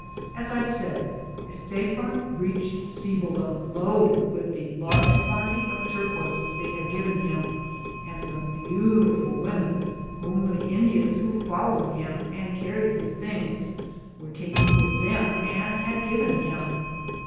As I said, Stephen reached Cibola loaded with the large quantity of tur quoises they had given him and some beau tiful women whom the Indians who fol lowed him and carried his things were tak ing with them and had given him.